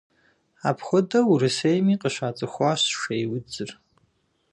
Апхуэдэу Урысейми къыщацӏыхуащ шейудзыр.